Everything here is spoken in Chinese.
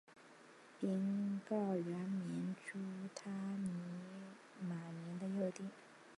宾告原名朱他玛尼的幼弟。